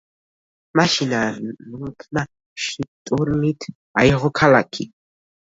მაშინ არნულფმა შტურმით აიღო ქალაქი.